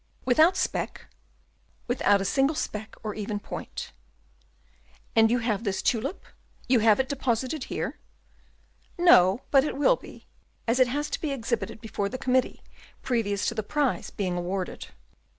"Without speck?" "Without a single speck, or even point." "And you have this tulip, you have it deposited here?" "No, but it will be, as it has to be exhibited before the committee previous to the prize being awarded."